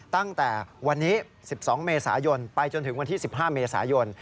ตั้งแต่วันนี้๑๒เมษายนไปจนถึงวันที่๑๕เมษายน